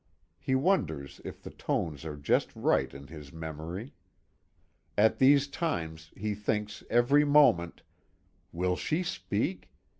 He wonders if the tones are just right in his memory. At these times he thinks every moment: "Will she speak?